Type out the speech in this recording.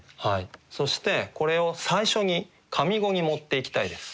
そしてこれを最初に上五に持っていきたいです。